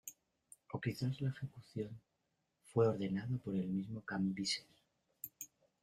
O quizás la ejecución fue ordenada por el mismo Cambises.